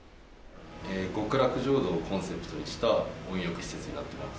極楽浄土をコンセプトにした温浴施設になっています。